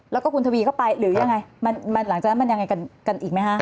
แล้วก็คุณทวีก็ไปหรือยังไงมันหลังจากนั้นมันยังไงกันอีกไหมคะ